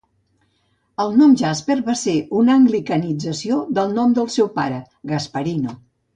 El nom Jasper va ser una anglicanització del nom del seu pare, Gasparino.